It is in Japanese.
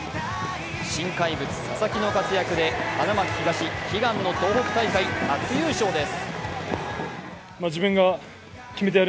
新怪物・佐々木の活躍で花巻東、悲願の東北大会初優勝です。